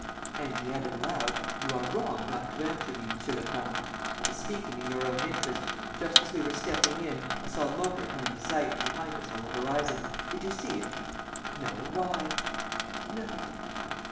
And he added, aloud, "You are wrong not to answer me, Monsieur le Comte. I was speaking in your own interest: just as we were stepping in, I saw a motor come into sight, behind us, on the horizon. Did you see it?" "No, why?" "Nothing."